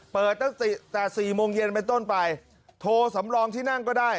เปิดตั้งแต่๔โมงเย็นเป็นต้นไปโทรสำรองที่นั่งก็ได้